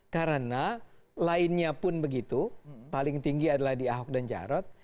karena lainnya pun begitu paling tinggi adalah di ahok dan jarot